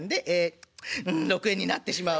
うん６円になってしまう。